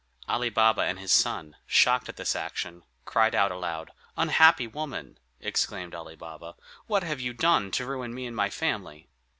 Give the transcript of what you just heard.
Ali Baba and his son, shocked at this action, cried out aloud. "Unhappy woman!" exclaimed Ali Baba, "what have you done, to ruin me and my family?"